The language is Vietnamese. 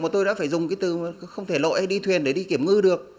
mà tôi đã phải dùng cái từ không thể lội hay đi thuyền để đi kiểm ngư được